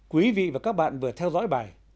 quý vị và các bạn vừa theo dõi bài